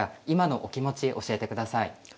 今のお気持ち教えて下さい。